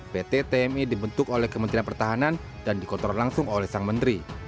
pt tmi dibentuk oleh kementerian pertahanan dan dikontrol langsung oleh sang menteri